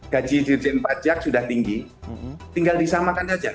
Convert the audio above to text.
gaji dirjen pajak sudah tinggi tinggal disamakan saja